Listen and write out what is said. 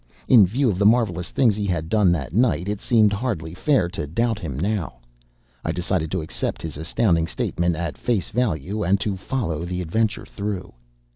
In view of the marvelous things he had done that night, it seemed hardly fair to doubt him now. I decided to accept his astounding statement at face value and to follow the adventure through.